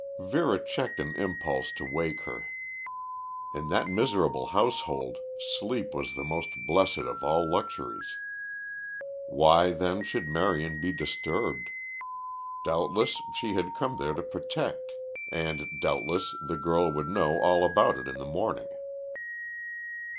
Vera checked an impulse to wake her. In that miserable household sleep was the most blessed of all luxuries. Why, then, should Marion be disturbed? Doubtless she had come there to protect and, doubtless the girl would know all about it in the morning.